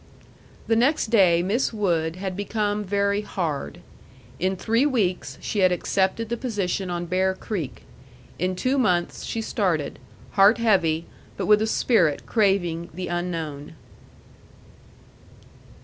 The next day Miss Wood had become very hard. In three weeks she had accepted the position on Bear Creek. In two months she started, heart heavy, but with a spirit craving the unknown.